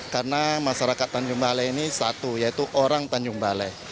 karena masyarakat tanjung balai ini satu yaitu orang tanjung balai